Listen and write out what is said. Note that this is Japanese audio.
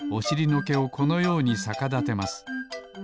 のけをこのようにさかだてます。